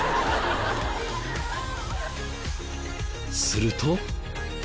すると。